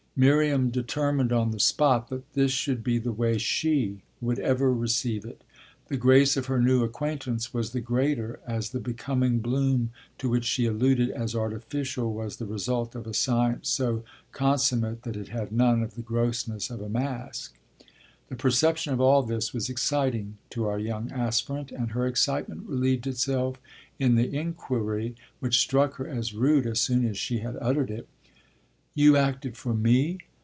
Miriam determined on the spot that this should be the way she would ever receive it. The grace of her new acquaintance was the greater as the becoming bloom to which she alluded as artificial was the result of a science so consummate that it had none of the grossness of a mask. The perception of all this was exciting to our young aspirant, and her excitement relieved itself in the inquiry, which struck her as rude as soon as she had uttered it: "You acted for 'me'?